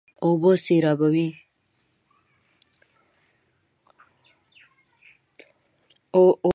اوبه سېرابوي.